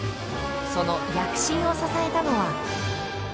その躍進を支えたのは。